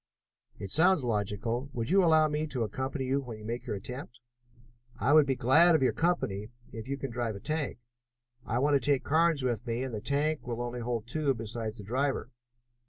"It sounds logical. Would you allow me to accompany you when you make your attempt?" "I will be glad of your company, if you can drive a tank. I want to take Carnes with me, and the tank will only hold two besides the driver."